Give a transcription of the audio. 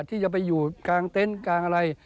ที่จะไปอยู่กลางเต็นต์กลางอะไร